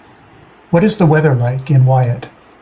What is the weather like in Wyatte